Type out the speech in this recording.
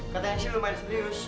katanya sih lumayan serius